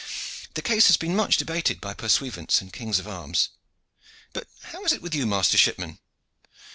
The case has been much debated by pursuivants and kings of arms. But how is it with you, master shipman?"